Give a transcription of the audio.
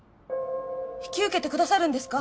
引き受けてくださるんですか？